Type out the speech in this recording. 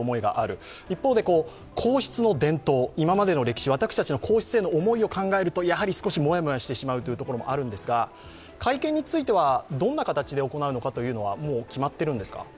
一方で皇室の伝統、今までの歴史、私たちの皇室への思いを考えると少しモヤモヤしてしまうところもあるんですが会見についてはどんな形で行うのか、もう決まってるんですか？